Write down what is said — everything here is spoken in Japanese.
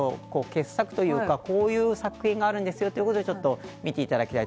傑作というか、こういう作品があるんですよということで見ていただきたい。